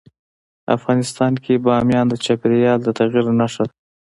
افغانستان کې بامیان د چاپېریال د تغیر نښه ده.